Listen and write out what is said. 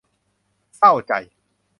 เศร้าใจ !